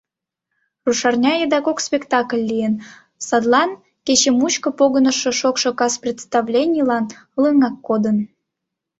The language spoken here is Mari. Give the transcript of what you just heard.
Рушарня еда кок спектакль лийын, садлан кече мучко погынышо шокшо кас представленийланат лыҥак кодын.